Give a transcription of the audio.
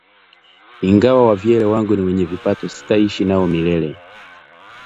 Ingawa wavyele wangu ni wenye vipato sitaishi nao milele